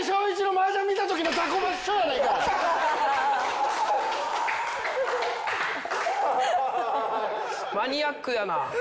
マニアックだなあ。